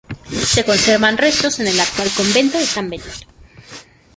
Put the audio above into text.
Se conservan restos en el actual Convento de San Benito.